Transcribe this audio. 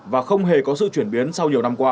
và không hề có sự chuyển biến sau nhiều năm qua